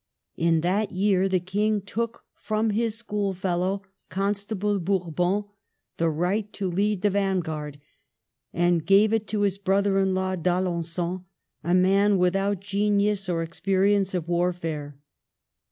In that year the King took from his schoolfellow, Constable Bourbon, the right to lead the vanguard, and gave it to his brother in law d'Alengon, a man without genius or experience of warfare.